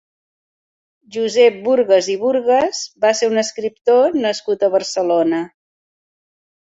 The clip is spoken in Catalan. Josep Burgas i Burgas va ser un escriptor nascut a Barcelona.